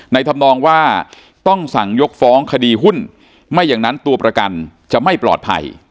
ทำนองว่าต้องสั่งยกฟ้องคดีหุ้นไม่อย่างนั้นตัวประกันจะไม่ปลอดภัย